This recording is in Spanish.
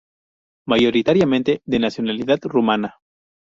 Mayoritariamente de nacionalidad rumana.